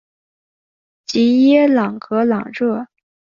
吉耶朗格朗热。